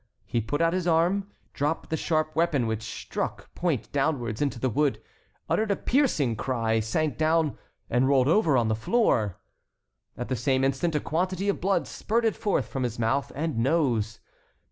He put out his arm, dropped the sharp weapon, which stuck point downwards into the wood, uttered a piercing cry, sank down, and rolled over on the floor. At the same instant a quantity of blood spurted forth from his mouth and nose.